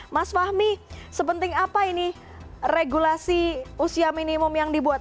mas fahmi sepenting apa ini regulasi usia minimum yang dibuat